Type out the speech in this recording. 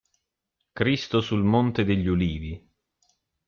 Cristo sul Monte degli Ulivi